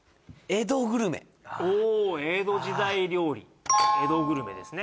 お江戸時代料理江戸グルメですね